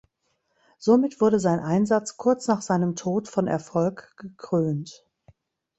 Somit wurde sein Einsatz kurz nach seinem Tod von Erfolg gekrönt.